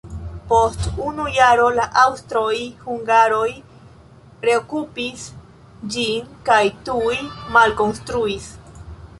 Post unu jaro la aŭstroj-hungaroj reokupis ĝin kaj tuj malkonstruis.